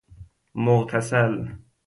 مغتسل